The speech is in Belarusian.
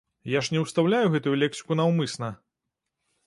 Я ж не ўстаўляю гэтую лексіку наўмысна.